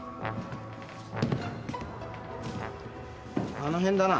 あの辺だな。